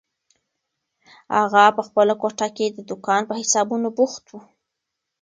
اغا په خپله کوټه کې د دوکان په حسابونو بوخت و.